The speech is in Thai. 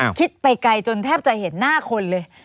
คิดไปไกลจนแทบจะเห็นหน้าคนเลย